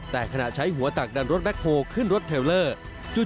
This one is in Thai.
แต่ขณะใช้หัวตักดันรถแคคโฮขึ้นรถเทลเลอร์